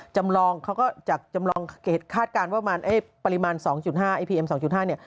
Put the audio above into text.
จำลองเขาก็จากจำลองเหตุคาดการณ์ว่าปริมาณ๒๕น